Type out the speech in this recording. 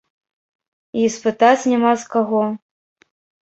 І спытаць няма з каго.